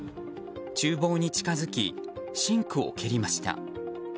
厨房に近づきシンクを蹴りました。